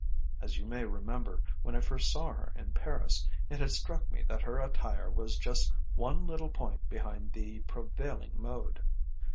As you may remember, when I first saw her in Paris, it had struck me that her attire was just one little point behind the "prevailing mode."